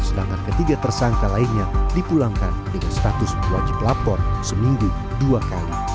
sedangkan ketiga tersangka lainnya dipulangkan dengan status wajib lapor seminggu dua kali